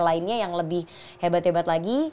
lainnya yang lebih hebat hebat lagi